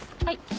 はい。